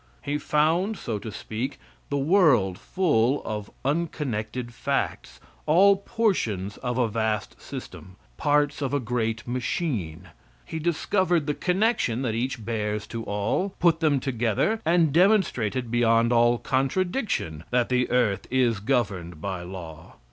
He found, so to speak, the world full of unconnected facts, all portions of a vast system parts of a great machine; he discovered the connection that each bears to all, put them together, and demonstrated beyond all contradiction that the earth is governed by law.